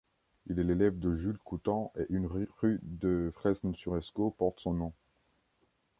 Il est l'élève de Jules Coutan et une rue de Fresnes-sur-Escaut porte son nom.